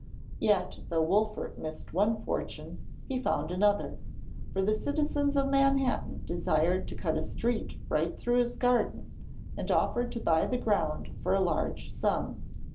Yet, though Wolfert missed one fortune, he found another, for the citizens of Manhattan desired to cut a street right through his garden, and offered to buy the ground for a large sum.